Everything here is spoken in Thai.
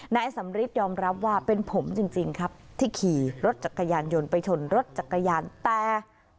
นายสำริทยอมรับว่าเป็นผมจริงครับที่ขี่รถจักรยานยนต์ไปชนรถจักรยานแต่